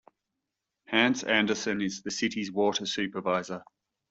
Hans Anderson is the city's water supervisor.